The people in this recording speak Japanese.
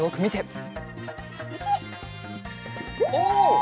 お！